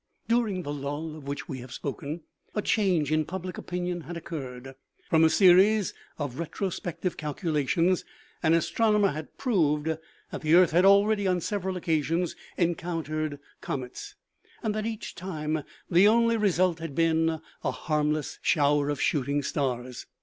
During the lull of which we have spoken, a change in public opinion had occurred. From a series of retro spective calculations an astronomer had proved that the earth had already on several occasions encountered com ets, and that each time the only result had been a harmless shower of shooting stars.